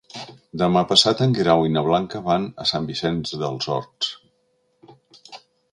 Demà passat en Guerau i na Blanca van a Sant Vicenç dels Horts.